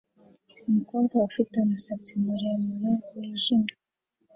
Umukobwa ufite umusatsi muremure wijimye